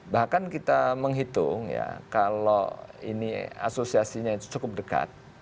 bahkan kita menghitung ya kalau ini asosiasinya itu cukup dekat